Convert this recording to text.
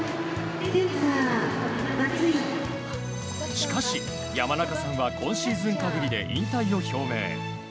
しかし、山中さんは今シーズン限りで引退を表明。